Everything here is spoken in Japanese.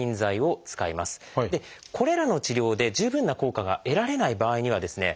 これらの治療で十分な効果が得られない場合にはですね